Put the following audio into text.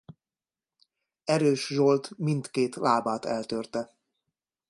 Erőss Zsolt mindkét lábát eltörte.